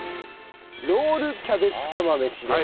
ロールキャベツ釜飯です。